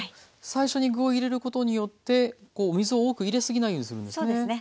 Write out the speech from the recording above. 最初に具を入れることによってこう水を多く入れすぎないようにするんですね。